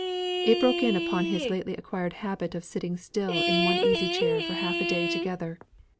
It broke in upon his lately acquired habit of sitting still in one easy chair for half a day together.